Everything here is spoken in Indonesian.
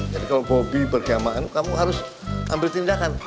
jadi kalau bobi berkeman kamu harus ambil tindakan